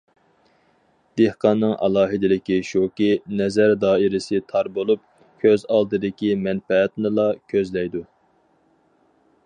دېھقاننىڭ ئالاھىدىلىكى شۇكى، نەزەر دائىرىسى تار بولۇپ، كۆز ئالدىدىكى مەنپەئەتنىلا كۆزلەيدۇ.